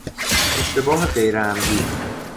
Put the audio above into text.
اشتباه غیرعمدی